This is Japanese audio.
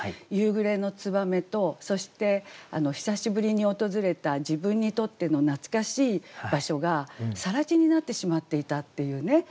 夕暮れの燕とそして久しぶりに訪れた自分にとっての懐かしい場所が更地になってしまっていたっていうね。